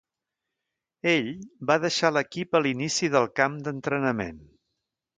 Ell va deixar l'equip a l'inici del camp d'entrenament.